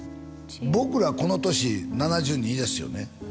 僕がこの年７２ですよね